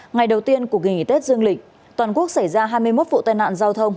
ngày đầu tiên của kỳ nghỉ tết dương lịch toàn quốc xảy ra hai mươi một vụ tai nạn giao thông